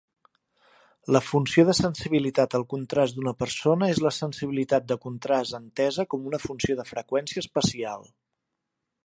La funció de sensibilitat al contrast d'una persona és la sensibilitat de contrast entesa com una funció de freqüència espacial.